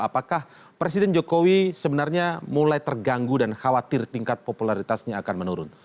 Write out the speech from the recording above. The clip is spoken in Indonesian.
apakah presiden jokowi sebenarnya mulai terganggu dan khawatir tingkat popularitasnya akan menurun